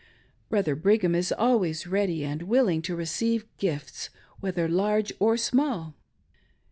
Brother Brigham is always ready and willing to receive gifts, whether large or small.